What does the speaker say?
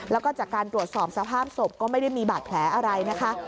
แล้วก็จากการตรวจสอบสภาพศพก็ไม่ได้มีบาดแผลอะไรนะคะ